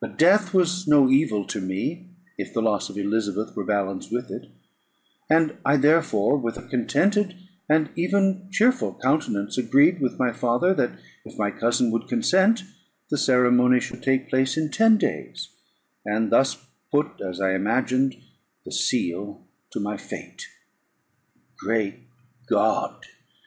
But death was no evil to me, if the loss of Elizabeth were balanced with it; and I therefore, with a contented and even cheerful countenance, agreed with my father, that if my cousin would consent, the ceremony should take place in ten days, and thus put, as I imagined, the seal to my fate. Great God!